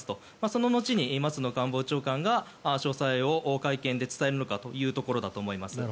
その後に松野官房長官が詳細を会見で伝えるのかというところだと思います。